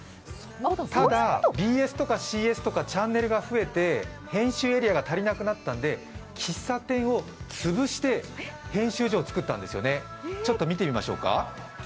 ただ、ＢＳとかＣＳとかチャンネルが増えて編集エリアが足りなくなったんで、喫茶店をつぶして編集所を作ったんですよね、見てみましょうか。